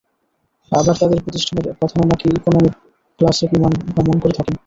আবার তাদের প্রতিষ্ঠানের প্রধানও নাকি ইকোনমি ক্লাসে বিমান ভ্রমণ করে থাকেন।